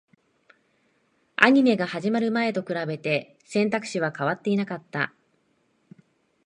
アニメが始まる前と比べて、選択肢は変わっていなかった